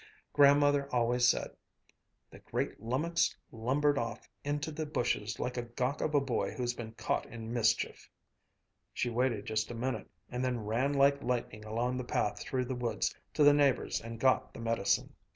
Grandmother always said, 'The great lummox lumbered off into the bushes like a gawk of a boy who's been caught in mischief,' She waited just a minute and then ran like lightning along the path through the woods to the neighbors and got the medicine."